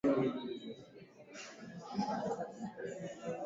jakaya mrisho kikwete alikuwa rais wa nne wa tanzania